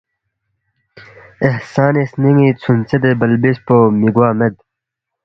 احسانی سنینی ژھونژے دے بلبس پو می گوا مید